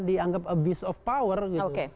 dianggap abuse of power gitu